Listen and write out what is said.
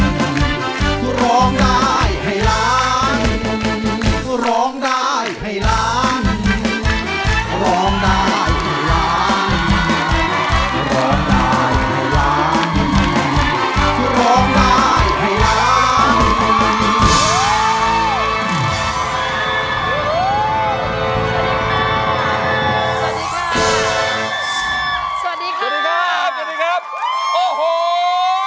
เพราะร้องได้ให้ร้าน